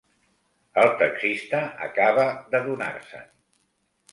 El taxista acaba d'adonar-se'n.